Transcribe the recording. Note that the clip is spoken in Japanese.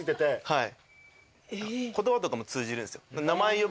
はい。